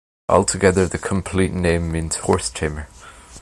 Altogether, the complete name means horse tamer.